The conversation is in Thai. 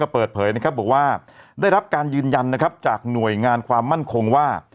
เปิดเผยนะครับบอกว่าได้รับการยืนยันนะครับจากหน่วยงานความมั่นคงว่า